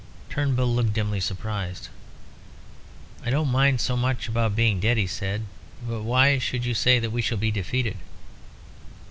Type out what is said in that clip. Turnbull looked dimly surprised. "I don't mind so much about being dead," he said, "but why should you say that we shall be defeated?"